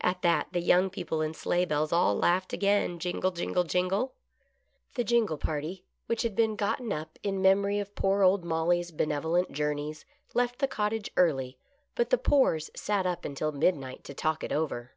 At that, the young people in sleigh bells all laughed again , jingle, jingle, jingle! The "jingle party," which had been gotten up in memory of poor old " Molly's " benevolent journeys, left the cottage early, but the Poores sat up until mid night to talk it over.